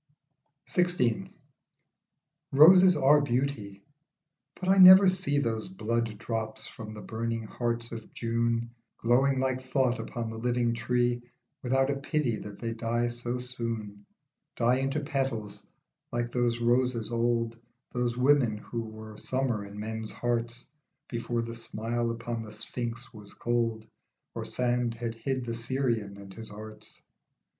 '* XVI. ROSES are beauty, but I never see Those blood drops from the burning heart of June Glowing like thought upon the living tree Without a pity that they die so soon, Die into petals, like those roses old, Those women, who were summer in men's hearts Before the smile upon the Sphinx was cold Or sand had hid the Syrian and his arts.